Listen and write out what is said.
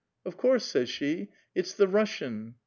' Of course,' says she, ' it's the Russian.'